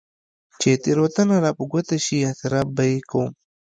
چې تېروتنه راپه ګوته شي، اعتراف به يې کوم.